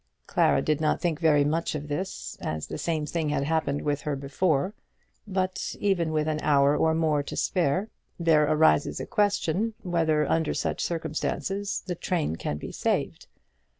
Clara did not think very much of this, as the same thing had happened with her before; but, even with an hour or more to spare, there arises a question whether under such circumstances the train can be saved.